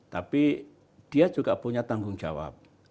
tapi dia juga punya tanggung jawab